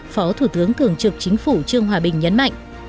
phó thủ tướng thường trực chính phủ trương hòa bình nhấn mạnh